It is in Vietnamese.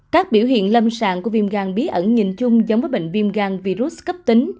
các biểu hiện lâm sàng của viêm gan bí ẩn nhìn chung giống với bệnh viêm gan virus cấp tính